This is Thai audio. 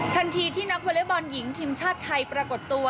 ทันทีที่นักวอเล็กบอลหญิงทีมชาติไทยปรากฏตัว